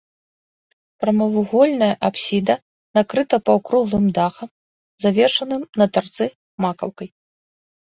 Прамавугольная апсіда накрыта паўкруглым дахам, завершаным на тарцы макаўкай.